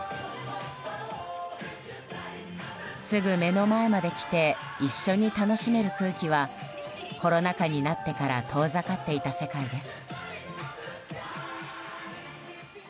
すぐ目の前まで来て一緒に楽しめる空気はコロナ禍になってから遠ざかっていた世界です。